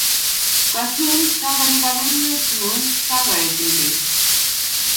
Kasun, kakonyo kaberuret ng'ung' kakoech emet.